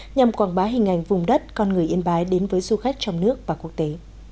nhằm quảng bá hình ảnh vùng đất con người yên bái đến với du khách trong nước và quốc tế